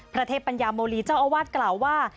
เทพปัญญาโมลีเจ้าอาวาสกล่าวว่า